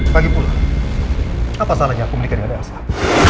bagi pula apa salahnya aku menikah dengan aldebaran